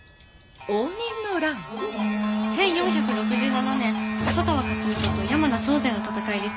１４６７年細川勝元と山名宗全の戦いです。